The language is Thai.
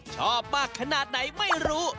ชอบมากขนาดไหนไม่รู้